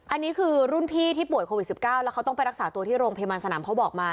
อันนี้คือรุ่นพี่ที่ป่วยโควิด๑๙แล้วเขาต้องไปรักษาตัวที่โรงพยาบาลสนามเขาบอกมา